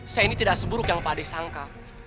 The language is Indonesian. saya ini tidak seburuk yang pak ade sangka